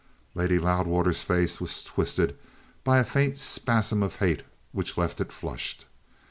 Lady Loudwater's face was twisted by a faint spasm of hate which left it flushed.